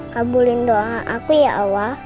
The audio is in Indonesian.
kabulin doa aku ya allah